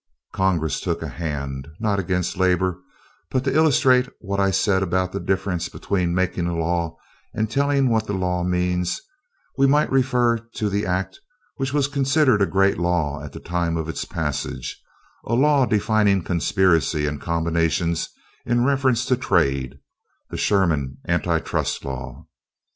Congress took a hand, not against labor; but to illustrate what I said about the difference between making a law and telling what the law means, we might refer to the act which was considered a great law at the time of its passage, a law defining conspiracy and combinations in reference to trade, the Sherman anti trust law.